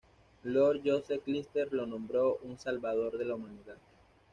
Lord Joseph Lister lo nombró "un salvador de la humanidad".